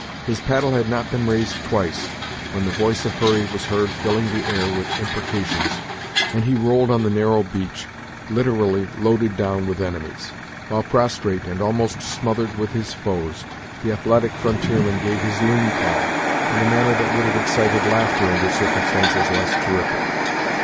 His paddle had not been raised twice, when the voice of Hurry was heard filling the air with imprecations, and he rolled on the narrow beach, literally loaded down with enemies. While prostrate, and almost smothered with his foes, the athletic frontierman gave his loon call, in a manner that would have excited laughter under circumstances less terrific.